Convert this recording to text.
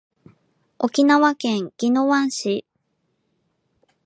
沖縄県宜野湾市